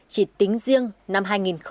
chỉ tính riêng năm hai nghìn một mươi năm